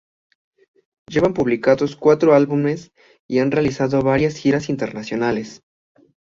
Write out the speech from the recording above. Llevan publicados cuatro álbumes y han realizado varias giras internacionales.